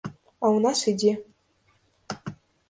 А ў нас ідзе.